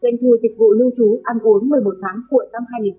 doanh thu dịch vụ lưu trú ăn uống một mươi một tháng cuội năm hai nghìn hai mươi một